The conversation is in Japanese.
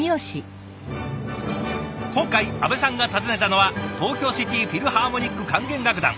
今回阿部さんが訪ねたのは東京シティ・フィルハーモニック管弦楽団。